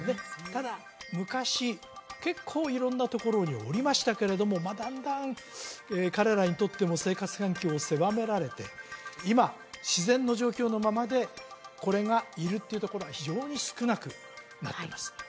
ただ昔結構色んなところにおりましたけれどもまあだんだん彼らにとっても生活環境を狭められて今自然の状況のままでこれがいるっていうところは非常に少なくなってます